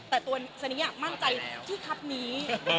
แต่ตัวสนิมั่นใจที่คับนี้